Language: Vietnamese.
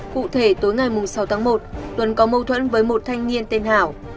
cụ thể tối ngày sáu tháng một tuấn có mâu thuẫn với một thanh niên tên hảo